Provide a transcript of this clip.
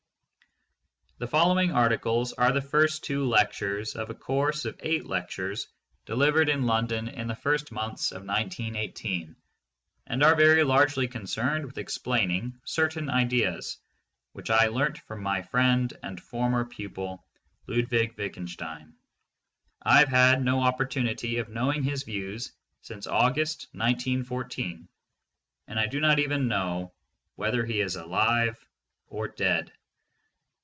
(The following articles are the first two lectures of a course of eight lectures delivered in London in the first months of 1918, and are very largely concerned with explaining certain ideas which I learnt from my friend and former pupil Ludwig Wittgenstein. I have had no opportunity of knowing his views since August, 1914, and I do not even know whether he is alive or dead.